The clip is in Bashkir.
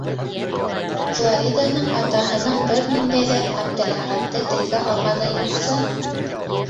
- Флориданың атаһының бер ниндәй ҙә Әптеләхәтте телгә алғаны юҡсы...